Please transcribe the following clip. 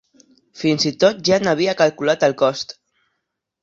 Fins i tot ja n’havia calculat el cost.